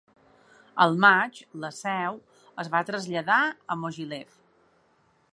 Al maig, la seu es va traslladar a Mogilev.